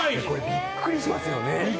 びっくりしますよね。